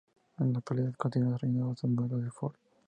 En la actualidad se continúan desarrollando estos modelos de Ford.